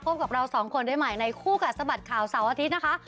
พบกับเราสองคนใหม่ในคู่กับสมัยข่าวสาวอาทิตย์นะคะ